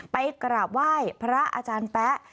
ไปกราบไหว้พระอาจารย์แป๊ะ